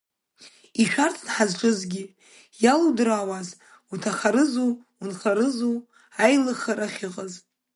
Ишәарҭан ҳазҿызгьы, иалудраауаз уҭахарызу унхарызу аилыхара ахьыҟаз.